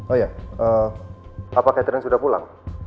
oh iya apa catherine sudah pulang